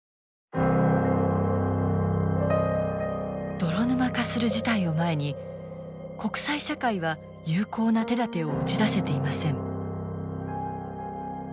泥沼化する事態を前に国際社会は有効な手だてを打ち出せていません。